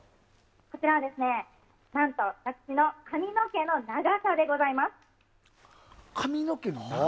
こちらは、何と私の髪の毛の長さでございます。